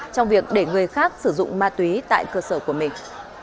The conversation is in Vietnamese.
trong việc để người khác sử dụng ma túy tại cơ sở của mình